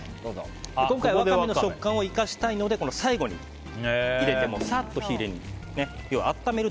今回、ワカメの食感を生かしたいので最後に入れて、サッと火を入れる。